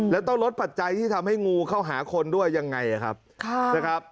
แล้วต้องลดปัจจัยที่ทำให้งูเข้าหาคนด้วยยังไงครับนะครับ